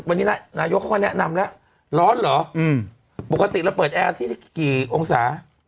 วันนี้นายกเขาก็แนะนำแล้วร้อนเหรออืมปกติเราเปิดแอร์ที่กี่องศา